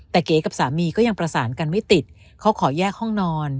แต่เก๋กับสามีก็ยังประสานกันไม่ติดเขาขอแยกห้องนอน